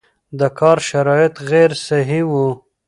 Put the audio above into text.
د کار شرایط غیر صحي وو